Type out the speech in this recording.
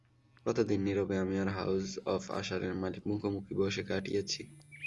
কতদিন নীরবে আমি আর হাউস অব আশারের মালিক মুখোমুখি বসে কাটিয়েছি।